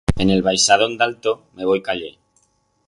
En el baixadón d'alto me voi cayer.